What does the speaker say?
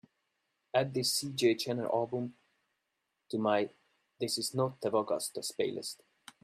Add this C J Chenier album to my this is no te va gustar playlist